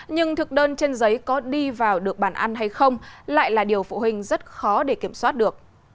nhưng thực đơn trên giấy có đi vào được bàn ăn hay không lại là điều phụ huynh rất khó để kiểm soát được